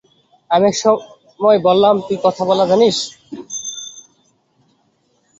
আমি এক সময় বললাম, তুই কথা বলা জানিস?